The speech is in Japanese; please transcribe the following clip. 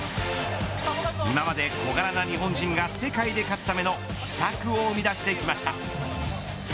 今まで、小柄な日本人が世界で勝つための秘策を生み出してきました。